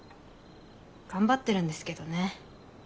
頑張ってるんですけどね。